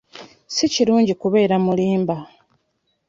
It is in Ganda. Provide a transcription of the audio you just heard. Si kirungi kubeera mulimba.